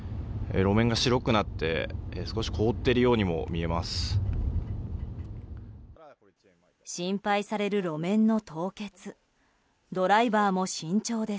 路面が白くなって少し凍っているようにも見えます。